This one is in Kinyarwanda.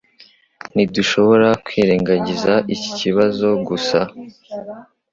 Ntidushobora kwirengagiza iki kibazo gusa.